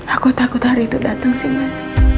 aku takut hari itu dateng sih mas